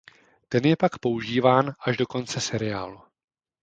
Ten je pak používán až do konce seriálu.